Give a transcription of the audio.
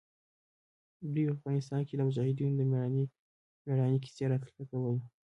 دوى به په افغانستان کښې د مجاهدينو د مېړانې کيسې راته کولې.